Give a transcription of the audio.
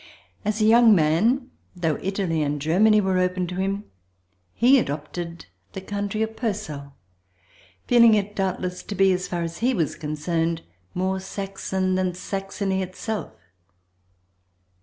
As a young man, though Italy and Germany were open to him, he adopted the country of Purcell, feeling it, doubtless, to be, as far as he was concerned, more Saxon than Saxony itself.